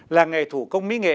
làng nghề thủ công mỹ nghề